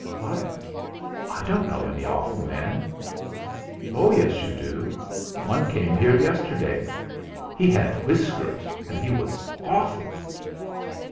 "What? I don't know any awful men." "Oh yes, you do; one came here yesterday; he had whiskers, and he was awful."